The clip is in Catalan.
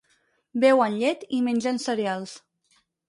Beuen llet i mengen cereals.